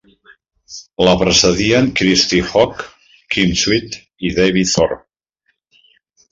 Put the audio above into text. La precedien Kristy Ogg, Kim Sweet i David Thorp.